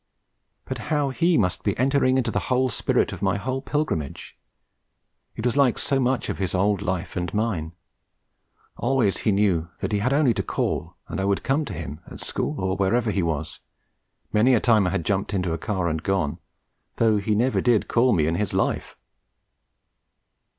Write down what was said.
But how he must be entering into the whole spirit of my whole pilgrimage! It was like so much of his old life and mine. Always he knew that he had only to call and I would come to him, at school or wherever he was; many a time I had jumped into a car and gone, though he never did call me in his life.